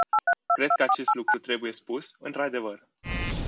Cred că acest lucru trebuie spus, într-adevăr.